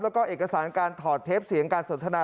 แล้วก็เอกสารการถอดเทปเสียงการสนทนา